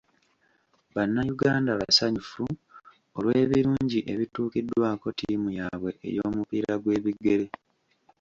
Bannayuganda basanyufu olw'ebirungi ebituukiddwako ttiimu yaabwe ey'omupiira gw'ebigere.